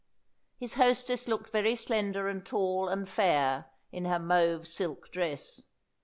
His hostess looked very slender and tall and fair in her mauve silk dress.